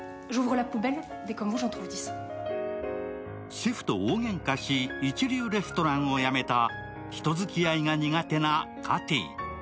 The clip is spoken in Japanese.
シェフと大げんかし一流レストランを辞めた人づきあいが苦手なカティ。